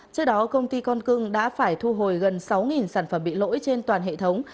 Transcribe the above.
trước đó công ty con cưng đã phải thu hồi gần sáu sản phẩm bị lỗi trên toàn hệ thống